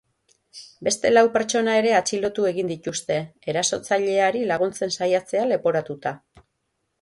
Beste lau pertsona ere atxilotu egin dituzte, erasotzaileari laguntzen saiatzea leporatuta.